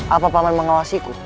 apa paman mengawasiku